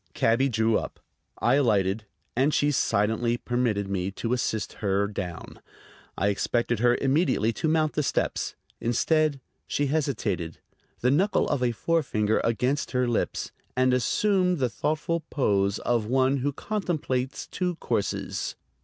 Cabby drew up. I alighted, and she silently permitted me to assist her down. I expected her immediately to mount the steps. Instead, she hesitated, the knuckle of a forefinger against her lips, and assumed the thoughtful pose of one who contemplates two courses.